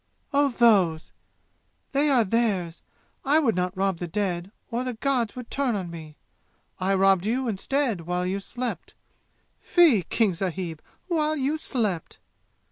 "Oh, those! They are theirs. I would not rob the dead, or the gods would turn on me. I robbed you, instead, while you slept. Fie, King sahib, while you slept!"